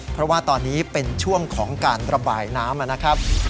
เพราะว่าตอนนี้เป็นช่วงของการระบายน้ำนะครับ